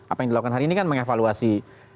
apa yang dilakukan hari ini kan mengevaluasi